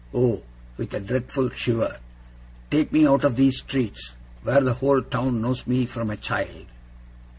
Oh!' with a dreadful shiver, 'take me out of these streets, where the whole town knows me from a child!